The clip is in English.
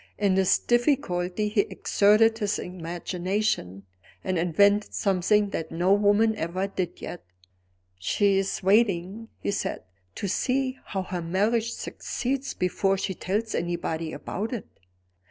In this difficulty he exerted his imagination, and invented something that no woman ever did yet. "She's waiting," he said, "to see how her marriage succeeds, before she tells anybody about it."